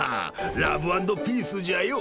ラブ・アンド・ピースじゃよ！